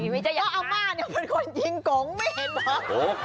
เพราะอัมป่ามันก็ยิงกงไม่เห็นหรอก